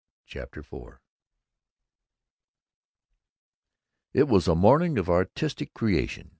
CHAPTER IV I It was a morning of artistic creation.